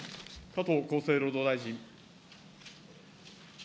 加藤厚生労働大臣。